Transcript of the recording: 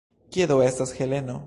Kie do estas Heleno?